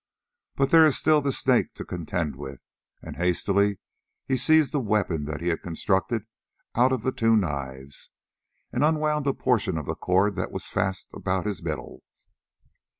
But there is still the Snake to contend with," and hastily he seized the weapon that he had constructed out of the two knives, and unwound a portion of the cord that was fast about his middle.